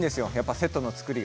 セットの造りが。